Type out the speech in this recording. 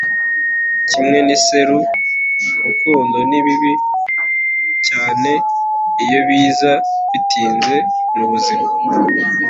kimwe n'iseru, urukundo ni bibi cyane iyo biza bitinze mubuzima